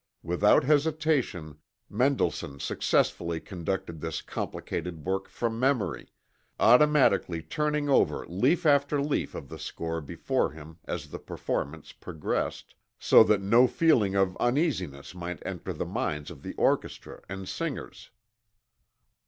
Without hesitation Mendelssohn successfully conducted this complicated work from memory, automatically turning over leaf after leaf of the score before him as the performance progressed, so that no feeling of uneasiness might enter the minds of the orchestra and singers.